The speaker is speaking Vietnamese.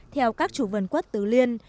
theo các chủ vườn quất tứ liên